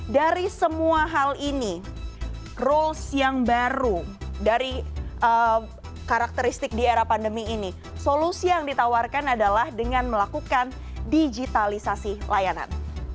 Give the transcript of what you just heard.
dari semua hal ini rules yang baru dari karakteristik di era pandemi ini solusi yang ditawarkan adalah dengan melakukan digitalisasi layanan